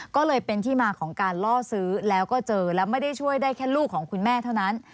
ก็เลยเป็นที่มาของการล่อซื้อแล้วก็เจอและไม่ได้ช่วยได้แค่ลูกของคุณแม่เท่านั้น